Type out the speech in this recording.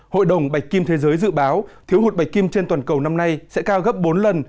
hội đồng bạch kim thế giới dự báo thiếu hụt bạch kim trên toàn cầu năm nay sẽ cao gấp bốn lần